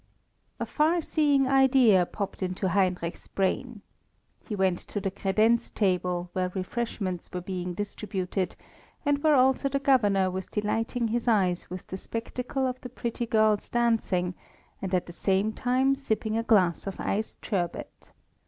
A far seeing idea popped into Heinrich's brain. He went to the credenz table, where refreshments were being distributed, and where also the Governor was delighting his eyes with the spectacle of the pretty girls dancing, and at the same time sipping a glass of iced sherbet.